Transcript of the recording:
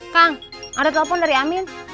kang ada telepon dari amin